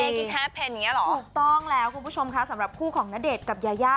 ถูกต้องแล้วคุณผู้ชมคะสำหรับคู่ของณเดชน์กับยาย่า